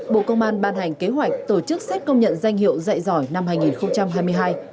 bộ công an ban hành kế hoạch tổ chức xét công nhận danh hiệu dạy giỏi năm hai nghìn hai mươi hai